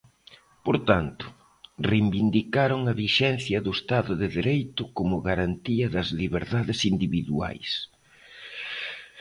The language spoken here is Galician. Por tanto, reivindicaron a vixencia do Estado de dereito como "garantía das liberdades individuais".